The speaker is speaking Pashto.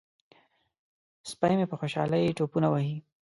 سپی مې په خوشحالۍ ټوپونه وهي.